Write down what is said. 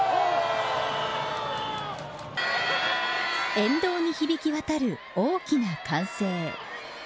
沿道に響き渡る大きな歓声。